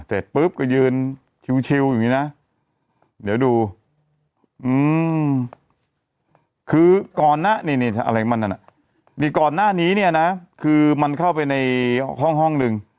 เต็มปุ๊บก็ยืนชิวอยู่นี้นะเดี๋ยวดูคือก่อนนี้มันเข้าไปในห้องหนึ่ง